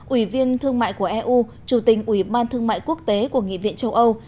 ủy viên thương mại của eu chủ tình ủy ban thương mại quốc tế của nghị viện châu âu